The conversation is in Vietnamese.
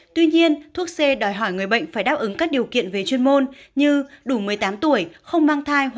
tuy nhiên thuốc c đòi hỏi người bệnh phải đáp ứng các điều kiện về chuyên môn như đủ một mươi tám tuổi